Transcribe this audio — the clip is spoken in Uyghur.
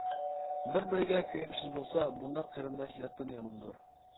بىر-بىرىگە كۆيۈمسىز بولسا، بۇنداق قېرىنداش ياتتىن ياماندۇر.